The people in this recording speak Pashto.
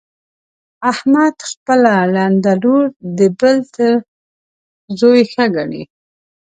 احمد خپله ړنده لور د بل تر زوی ښه ګڼي.